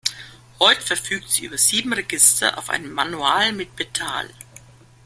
Heute verfügt sie über sieben Register auf einem Manual mit Pedal.